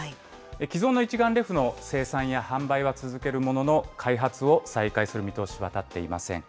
既存の一眼レフの生産や販売は続けるものの、開発を再開する見通しは立っていません。